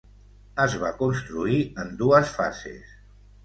Es va construir en dues fases.